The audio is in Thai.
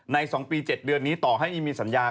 ๒ปี๗เดือนนี้ต่อให้ไม่มีสัญญา